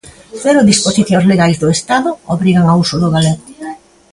Cero disposicións legais do Estado obrigan ao uso do galego.